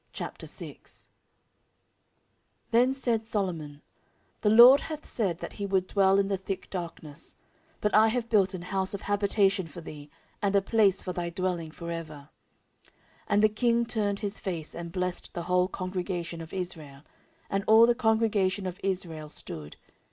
14:006:001 Then said Solomon, The LORD hath said that he would dwell in the thick darkness. 14:006:002 But I have built an house of habitation for thee, and a place for thy dwelling for ever. 14:006:003 And the king turned his face, and blessed the whole congregation of Israel: and all the congregation of Israel stood.